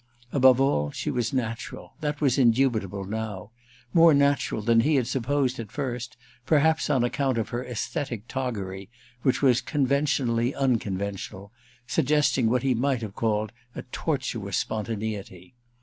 Above all she was natural—that was indubitable now; more natural than he had supposed at first, perhaps on account of her æsthetic toggery, which was conventionally unconventional, suggesting what he might have called a tortuous spontaneity.